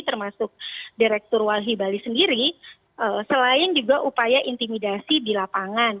termasuk direktur walhi bali sendiri selain juga upaya intimidasi di lapangan